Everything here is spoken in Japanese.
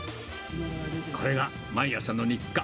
これが毎朝の日課。